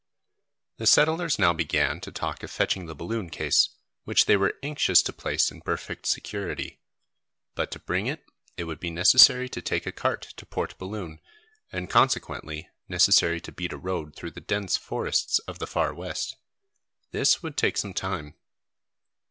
The settlers now began to talk of fetching the balloon case, which they were anxious to place in perfect security; but to bring it, it would be necessary to take a cart to Port Balloon, and consequently, necessary to beat a road through the dense forests of the Far West. This would take some time.